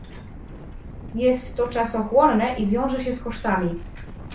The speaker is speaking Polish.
Jest to czasochłonne i wiąże się z kosztami